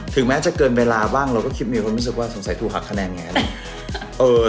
ถึงแม้จะเกินเวลาบ้างเราก็คิดว่าสงสัยถูกหักคะแนนอย่างนี้